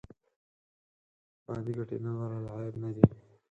مادې ګټې نه لرل عیب نه دی.